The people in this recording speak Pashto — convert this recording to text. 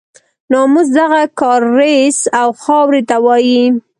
ناموس دغه کاریز او خاورې ته وایي.